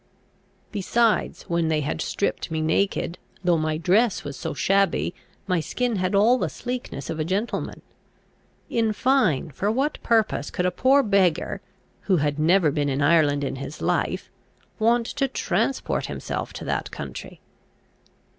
Besides, when they had stripped me naked, though my dress was so shabby my skin had all the sleekness of a gentleman. In fine, for what purpose could a poor beggar, who had never been in Ireland in his life, want to transport himself to that country?